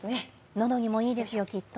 のどにもいいですよ、きっと。